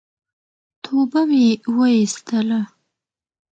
توبه مي واېستله !